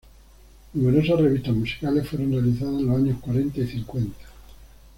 Numerosas revistas musicales fueron realizadas en los años cuarenta y cincuenta.